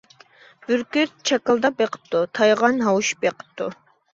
بۈركۈت چاكىلداپ بېقىپتۇ، تايغان ھاۋشىپ بېقىپتۇ.